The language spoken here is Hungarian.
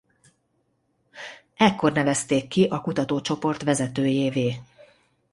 Ekkor nevezték ki a kutatócsoport vezetőjévé.